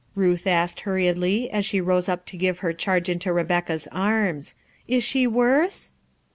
Ruth asked hurriedly, as she rose up to give her charge into Rebecca's arms. " Is she worse